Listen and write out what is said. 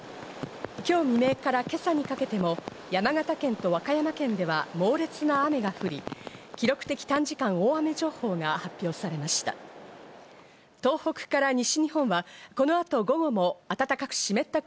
今日未明から今朝にかけても山形県と和歌山県では猛烈な雨が降り、記録的短時間大雨情報が発表されました。